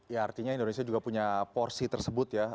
ya artinya indonesia juga punya porsi tersebut ya